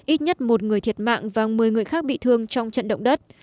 ít nhất một người thiệt mạng và một mươi người khác bị thương trong trận động đất